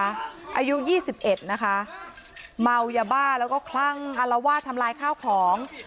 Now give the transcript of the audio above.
อายุยี่สิบเอ็ดนะคะเมายาบ้าแล้วก็คลั่งอารวาสทำลายข้าวของ